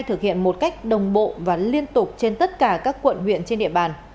thực hiện một cách đồng bộ và liên tục trên tất cả các quận huyện trên địa bàn